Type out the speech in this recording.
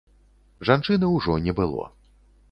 Жанчыны ўжо не было.